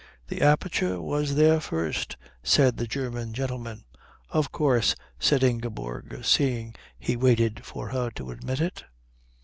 "The aperture was there first," said the German gentleman. "Of course," said Ingeborg, seeing he waited for her to admit it.